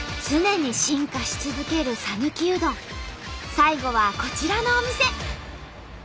最後はこちらのお店。